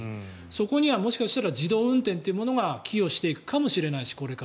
そこにはもしかしたら自動運転というものがこれからは寄与していくかもしれないし。